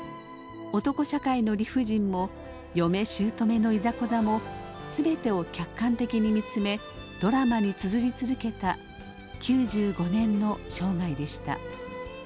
男社会の理不尽も嫁しゅうとめのいざこざも全てを客観的に見つめドラマにつづり続けた９５年の生涯でした。